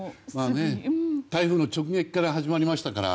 台風の直撃から始まりましたから